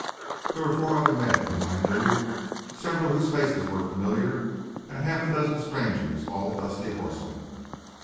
There were four other men whom I knew, several whose faces were familiar, and half a dozen strangers, all dusty horsemen.